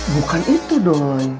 bukan itu doi